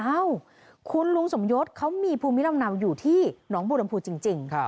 อ้าวคุณลุงสมยธเขามีภูมิเหล่านาวอยู่ที่น้องบูรณภูจริง